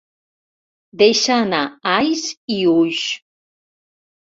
Deixa anar ais i uis.